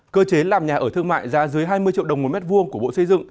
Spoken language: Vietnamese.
cơ chế làm nhà ở thương mại giá dưới hai mươi triệu đồng một mét vuông của bộ xây dựng